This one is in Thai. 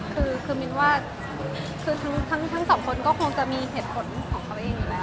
คือมินว่าคือทั้งสองคนก็คงจะมีเหตุผลของเขาเองอยู่แล้ว